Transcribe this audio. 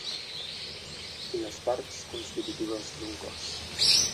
Les parts constitutives d'un cos.